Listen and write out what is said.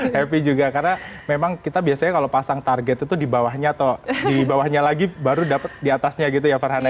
happy juga karena memang kita biasanya kalau pasang target itu di bawahnya atau di bawahnya lagi baru dapat di atasnya gitu ya farhan ya